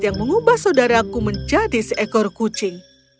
yang mengubah saudaraku menjadi seekor kucing